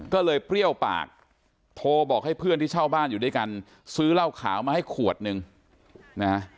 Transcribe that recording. ก็เลยเปรี้ยวปากโทรบอกให้เพื่อนที่เช่าบ้านอยู่ด้วยกันซื้อเหล้าขาวมาให้ขวดหนึ่งนะฮะ